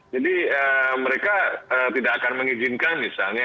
jadi mereka tidak akan mengizinkan misalnya